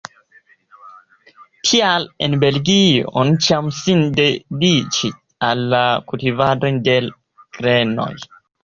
Tial en Belgio oni ĉiam sin dediĉis al la kultivado de grenoj.